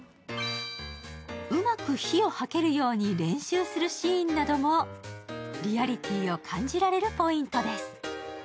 うまく火をはけるように練習するシーンなどもリアリティーを感じられるポイントです。